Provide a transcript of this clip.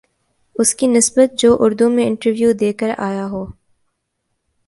اس کی نسبت جو اردو میں انٹرویو دے کر آ یا ہو